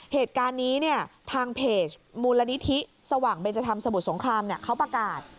เหตุการณ์นี้เนี่ยทางเพจมูลนิธิสว่างเบนจธรรมสมุทรสงครามเขาประกาศ